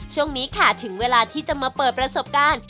ช่วงนี้ค่ะถึงเวลาที่จะมาเปิดประสบการณ์